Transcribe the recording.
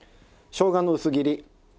しょうがの薄切り。